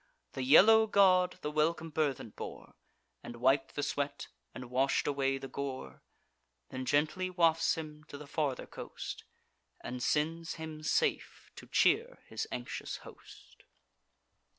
The yellow god the welcome burthen bore, And wip'd the sweat, and wash'd away the gore; Then gently wafts him to the farther coast, And sends him safe to cheer his anxious host.